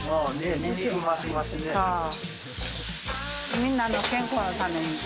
みんなの健康のために。